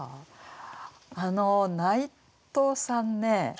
あの内藤さんね